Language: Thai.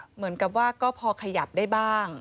เหมือนกับว่าก็พอขยับได้บ้าง